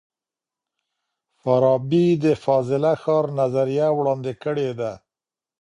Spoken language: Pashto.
فارابي د فاضله ښار نظریه وړاندې کړې ده.